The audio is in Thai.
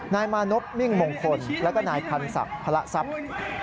นายมานพมิ่งมงคลแล้วก็นายพันธุ์ศัพท์พระศัพท์